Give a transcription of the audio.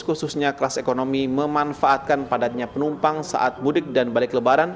khususnya kelas ekonomi memanfaatkan padatnya penumpang saat mudik dan balik lebaran